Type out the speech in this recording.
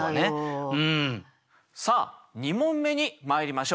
さあ２問目にまいりましょう。